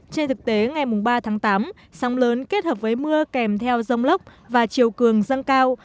trên thực tế ngày ba tháng tám sóng lớn kết hợp với mưa kèm theo rông lốc và chiều cường dâng cao